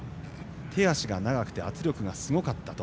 手足が長くて圧力がすごかったと。